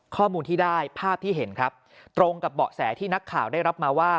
ข้อมูลที่ได้ภาพที่เห็นครับตรงกับเบาะแสที่นักข่าวได้รับมาว่า